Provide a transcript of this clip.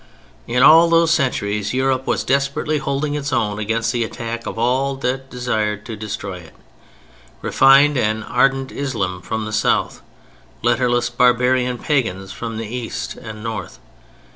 In all those centuries Europe was desperately holding its own against the attack of all that desired to destroy it: refined and ardent Islam from the South, letterless barbarian pagans from the East and North.